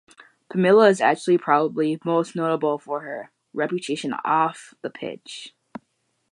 Pamela is actually probably most notable for her reputation off the pitch.